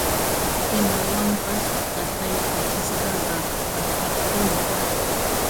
imawanpas takaykachisqaqa pakiqpuni